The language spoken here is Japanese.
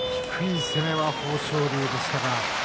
低い攻めは豊昇龍でした。